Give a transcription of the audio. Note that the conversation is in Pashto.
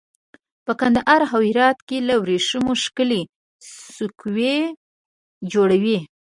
په کندهار او هرات کې له وریښمو ښکلي سکوي جوړوي.